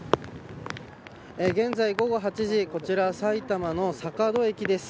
現在午後８時こちら埼玉の坂戸駅です。